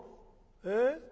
「えっ？